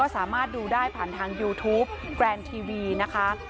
สามารถดูได้ผ่านทางยูทูปแกรนด์ทีวีนะคะ